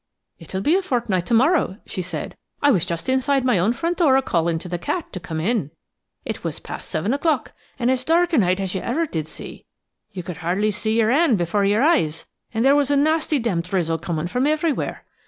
"It'll be a fortnight to morrow," she said. "I was just inside my own front door a calling to the cat to come in. It was past seven o'clock, and as dark a night as ever you did see. You could hardly see your 'and afore your eyes, and there was a nasty damp drizzle comin' from everywhere.